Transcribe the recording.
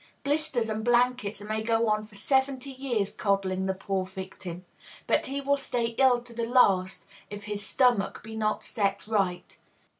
Blisters and blankets may go on for seventy years coddling the poor victim; but he will stay ill to the last if his stomach be not set right.